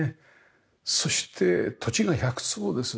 そして土地が１００坪です。